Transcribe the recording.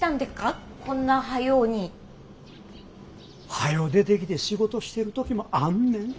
はよ出てきて仕事してる時もあんねん。